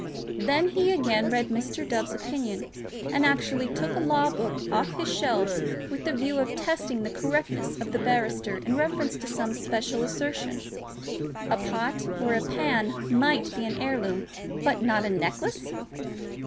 Then he again read Mr. Dove's opinion, and actually took a law book off his shelves with the view of testing the correctness of the barrister in reference to some special assertion. A pot or a pan might be an heirloom, but not a necklace!